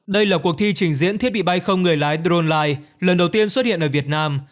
đây là cuộc thi trình diễn thiết bị bay không người lái drone life lần đầu tiên xuất hiện ở việt nam